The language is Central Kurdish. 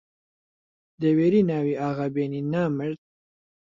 دەوێری ناوی ئاغا بێنی نامەرد!